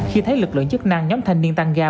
khi thấy lực lượng chức năng nhóm thanh niên tăng ga